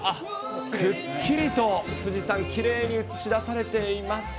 くっきりと富士山、きれいに映し出されています。